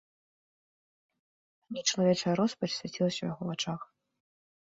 Нечалавечая роспач свяцілася ў яго вачах.